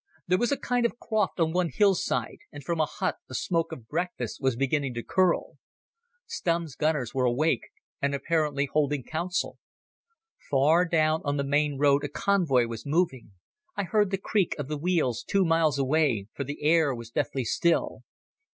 There was a kind of croft on one hillside, and from a hut the smoke of breakfast was beginning to curl. Stumm's gunners were awake and apparently holding council. Far down on the main road a convoy was moving—I heard the creak of the wheels two miles away, for the air was deathly still.